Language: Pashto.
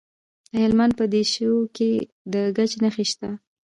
د هلمند په دیشو کې د ګچ نښې شته.